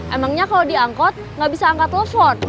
emangnya kalau diangkot gak bisa angkat telepon